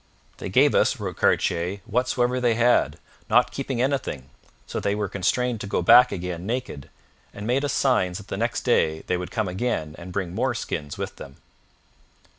'They gave us,' wrote Cartier, 'whatsoever they had, not keeping anything, so that they were constrained to go back again naked, and made us signs that the next day they would come again and bring more skins with them.'